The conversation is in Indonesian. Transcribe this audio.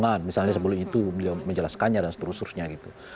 kebohongan misalnya sebelum itu beliau menjelaskannya dan seterus terusnya gitu